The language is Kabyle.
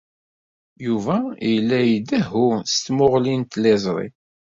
Yuba yella idehhu s tmuɣli n tliẓri.